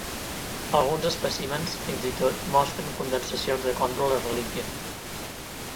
Alguns espècimens, fins i tot, mostren condensacions de còndrules relíquia.